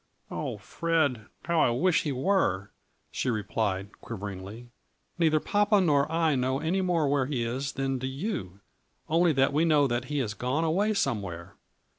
" Oh, Fred, how I wish he were," she replied, quiveringly. " Neither papa nor I know any more where he is than do you, only that we know that he has gone away somewhere."